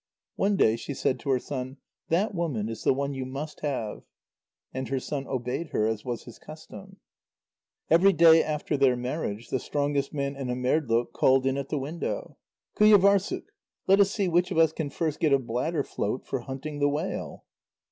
One day she said to her son: "That woman is the one you must have." And her son obeyed her, as was his custom. Every day after their marriage, the strongest man in Amerdloq called in at the window: "Qujâvârssuk! Let us see which of us can first get a bladder float for hunting the whale."